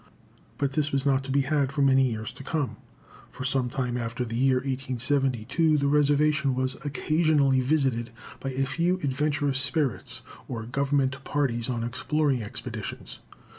But this was not to be had for many years to come. For some time after the year 1872, the reservation was occasionally visited by a few adventurous spirits or Government parties on exploring expeditions.